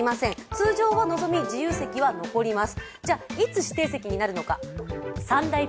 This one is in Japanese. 通常はのぞみ、自由席は残ります。